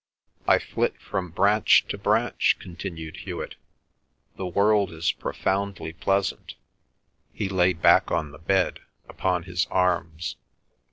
"I flit from branch to branch," continued Hewet. "The world is profoundly pleasant." He lay back on the bed, upon his arms.